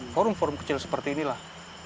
forum forum kecil seperti inilah